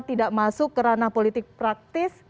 tidak masuk ke ranah politik praktis